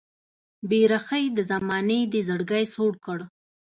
بې رخۍ د زمانې دې زړګی سوړ کړ